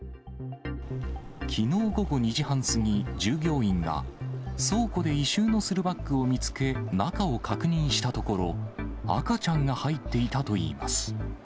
きのう午後２時半過ぎ、従業員が、倉庫で異臭のするバッグを見つけ、中を確認したところ、赤ちゃんが入っていたといいます。